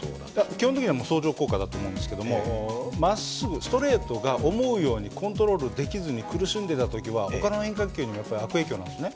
基本的には相乗効果だと思うんですけどもまっすぐストレートが思うようにコントロールできずに苦しんでた時はほかの変化球にも悪影響なんですね。